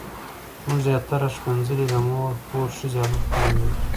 زموږ زياتره ښکنځلې د مور، خور، ښځې او لور کلمې دي.